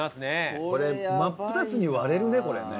これ真っ二つに割れるねこれね。